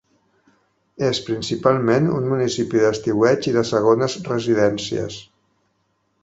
És, principalment, un municipi d'estiueig i de segones residències.